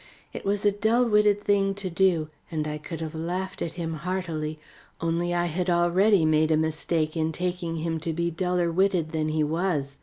It was a dull witted thing to do and I could have laughed at him heartily, only I had already made a mistake in taking him to be duller witted than he was.